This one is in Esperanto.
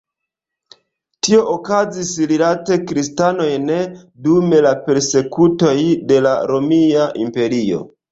Tio okazis rilate kristanojn dum la persekutoj de la Romia Imperio.